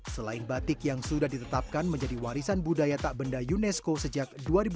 selain batik yang sudah ditetapkan menjadi warisan budaya tak benda unesco sejak dua ribu empat